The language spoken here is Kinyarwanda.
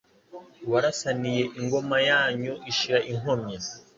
Warasaniye ingoma yanyu ishira inkomyi,